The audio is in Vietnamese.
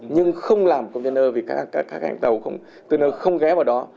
nhưng không làm container vì các hàng tàu container không ghé vào đó